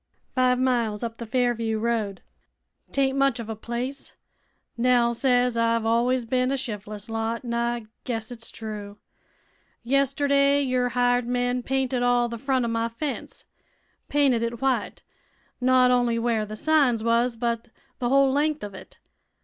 "Five miles up the Fairview road. 'Taint much of a place Nell says I've always bin a shif'les lot, an' I guess it's true. Yesterday your hired men painted all the front o' my fence painted it white not only where th' signs was, but th' whole length of it.